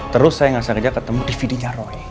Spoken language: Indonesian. terus saya ngga segera ketemu dvd nya roy